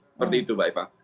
seperti itu pak